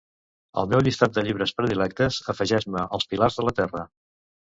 Al meu llistat de llibres predilectes, afegeix-me "Els pilars de la Terra".